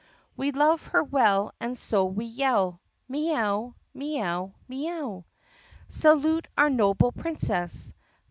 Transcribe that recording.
We love her well and so we yell Mee ow! Mee ow! Mee ow! "Salute our noble Princess!